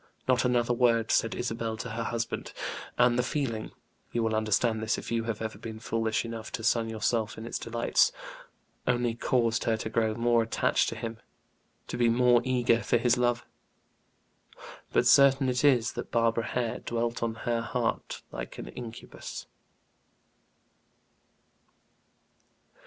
Not another word said Isabel to her husband; and the feeling you will understand this if you have ever been foolish enough to sun yourself in its delights only caused her to grow more attached to him, to be more eager for his love. But certain it is that Barbara Hare dwelt on her heart like an incubus.